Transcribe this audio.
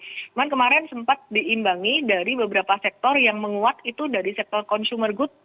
cuman kemarin sempat diimbangi dari beberapa sektor yang menguat itu dari sektor consumer good